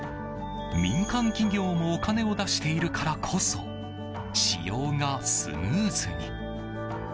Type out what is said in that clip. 民間企業もお金を出しているからこそ使用がスムーズに。